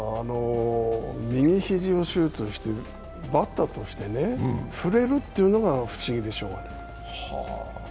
右肘を手術して、バッターとして振れるというのが不思議でしょう。